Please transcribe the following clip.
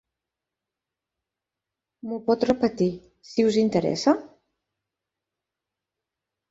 M'ho pot repetir, si us interessa?